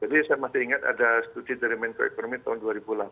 jadi saya masih ingat ada studi dari menteri ekonomi tahun dua ribu delapan